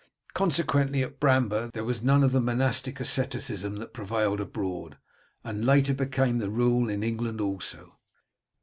Consequently, at Bramber there was none of that monastic asceticism that prevailed abroad, and later became the rule in England also.